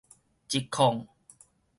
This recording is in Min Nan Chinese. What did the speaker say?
揤控